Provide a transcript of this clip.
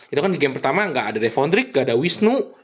itu kan di game pertama nggak ada revondrik gak ada wisnu